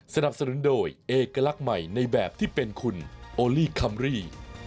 สนับสนุนโดยเอกลักษณ์ใหม่ในแบบที่เป็นคุณโอลี่คัมรี่